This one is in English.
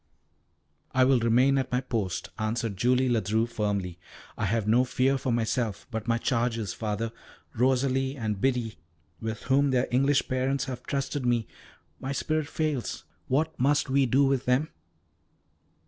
"I will remain at my post," answered Julie Ledru firmly. "I have no fear for myself, but my charges, Father Rosalie and Biddy, with whom their English parents have trusted me. My spirit fails! What must we do with them?"